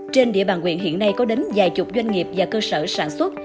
trên địa bàn quyền hiện nay có đến vài chục doanh nghiệp và cơ sở sản xuất